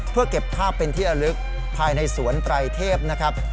เพื่อเก็บภาพเป็นที่ระลึกภายในสวนไตรเทพนะครับ